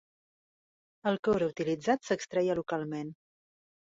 El coure utilitzat s'extreia localment.